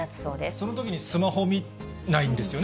そのときにスマホ見ないんですよね。